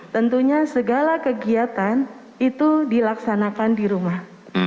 tentunya segala kegiatan itu dilaksanakan di rumah